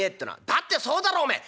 「だってそうだろうおめえ。